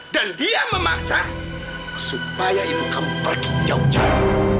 dan dia memaksa supaya ibu kamu pergi jauh jauh